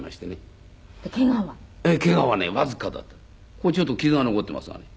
ここちょっと傷が残っていますがね。